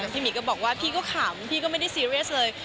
พี่หมีก็บอกว่าพี่ก็ขำพี่ก็ไม่ได้ซีเรียสเลย